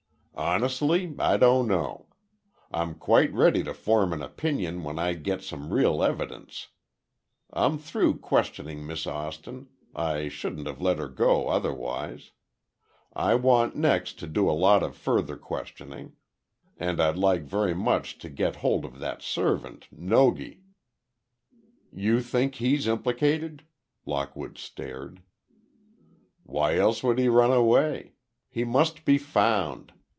"Honestly, I don't know. I'm quite ready to form an opinion when I get some real evidence. I'm through questioning Miss Austin—I shouldn't have let her go otherwise. I want next to do a lot of further questioning. And I'd very much like to get hold of that servant, Nogi." "You think he's implicated?" Lockwood stared. "Why else would he run away? He must be found.